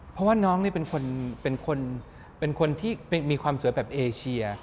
เพราะว่าน้องนี่เป็นคนที่มีความสวยแบบเอเชีย